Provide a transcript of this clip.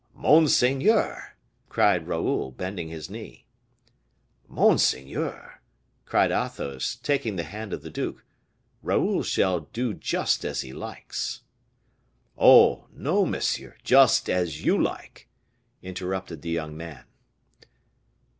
"Monseigneur!" cried Raoul, bending his knee. "Monseigneur!" cried Athos, taking the hand of the duke; "Raoul shall do just as he likes." "Oh! no, monsieur, just as you like," interrupted the young man.